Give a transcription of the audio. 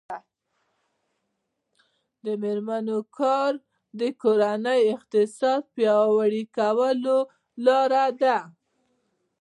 د میرمنو کار د کورنۍ اقتصاد پیاوړی کولو لاره ده.